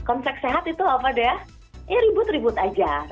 konflik sehat itu apa dea ya ribut ribut aja